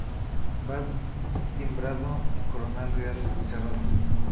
Va timbrado con Corona Real cerrada.